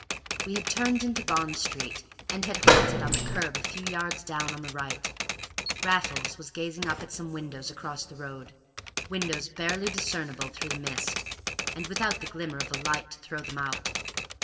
We had turned into Bond Street, and had halted on the curb a few yards down on the right. Raffles was gazing up at some windows across the road, windows barely discernible through the mist, and without the glimmer of a light to throw them out.